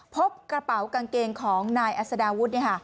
พบกระเป๋ากางเกงของนายอัศดาวุฒิ